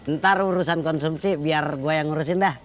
ntar urusan konsumsi biar gue yang ngurusin dah